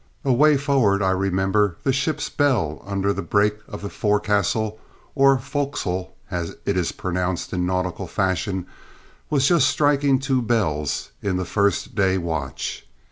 Away forward, I remember, the ship's bell under the break of the forecastle, or "fo'c's'le," as it is pronounced in nautical fashion, was just striking "two bells" in the first day watch.